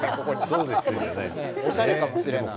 おしゃれかもしれない。